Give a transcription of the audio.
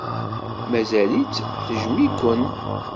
Mazal-itt tejjem-iken.